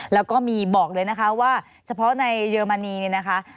แล้วก็มีบอกเลยนะคะว่าเฉพาะในเยอรมนีเนี่ยนะคะ